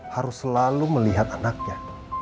harus selalu melihat anaknya